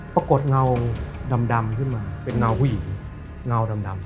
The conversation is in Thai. เงาดำขึ้นมาเป็นเงาผู้หญิงเงาดำ